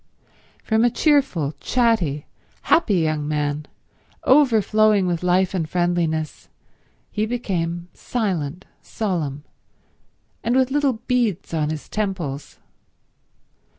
From a cheerful, chatty, happy young man, overflowing with life and friendliness, he became silent, solemn, and with little beads on his temples.